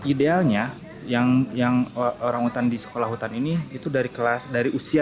idealnya yang orangutan di sekolah hutan ini itu dari usia